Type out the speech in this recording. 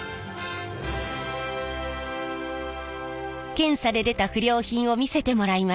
検査で出た不良品を見せてもらいました。